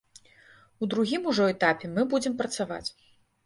У другім ужо этапе мы будзем працаваць.